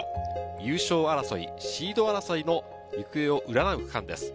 優勝争い、シード争いの行方を占う区間です。